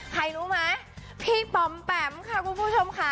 ใครรู้ไหมพี่ป๋อมแปมค่ะคุณผู้ชมค่ะ